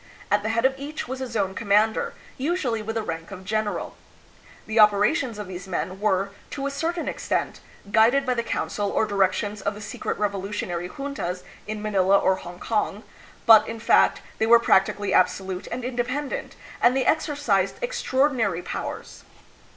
At the head of each was a zone commander, usually with the rank of general. The operations of these men were, to a certain extent, guided by the counsel or directions of the secret revolutionary juntas in Manila or Hongkong, but, in fact, they were practically absolute and independent, and they exercised extraordinary powers.